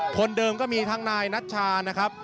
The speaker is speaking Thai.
คนเดิมก็มีทั้งนายนัชชานะครับ